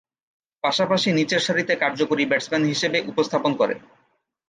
পাশাপাশি নিচেরসারিতে কার্যকরী ব্যাটসম্যান হিসেবে উপস্থাপন করেন।